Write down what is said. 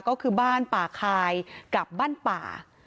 ก็คือบ้านป่าคายกับบ้านป่า